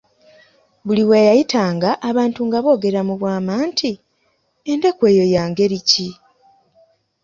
Buli we yayitanga abantu nga boogera mu bwama nti, endeku eyo ya ngeri ki?